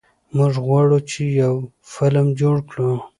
موږ غواړو چې یو فلم جوړ کړو.